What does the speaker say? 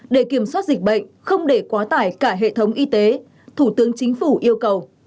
để kiểm soát dịch bệnh không để quá tải cả hệ thống y tế thủ tướng chính phủ yêu cầu